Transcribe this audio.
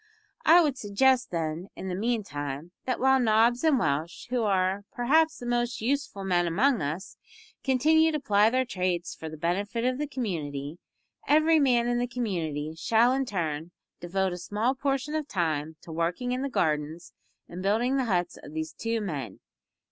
"I would suggest, then, in the meantime, that while Nobbs and Welsh, who are, perhaps, the most useful men among us continue to ply their trades for the benefit of the community, every man in the community shall in turn devote a small portion of time to working in the gardens and building the huts of these two men."